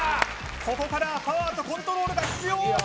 ここからはパワーとコントロールが必要